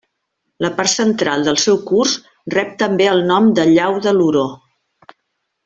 La part central del seu curs rep també el nom de llau de l'Oró.